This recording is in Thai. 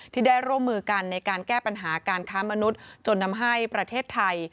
ที่ได้ร่วมมือกันในการแก้ปัญหาการค้ามนุษย์จนทำให้ประเทศไทย